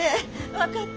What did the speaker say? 分かった。